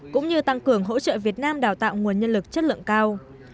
cũng như tăng cường hỗ trợ việt nam đào tạo nguồn nhân lực chất lượng cao